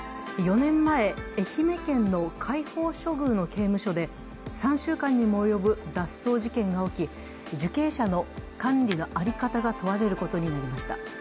４年前、愛媛県の開放処遇の刑務所で３週間にも及ぶ脱走事件が起き受刑者の管理の在り方が問われることになりました。